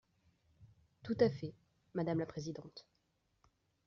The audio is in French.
Tout à fait, madame la présidente.